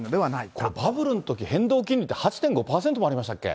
これ、バブルのとき、変動金利って、８．５％もありましたっけ？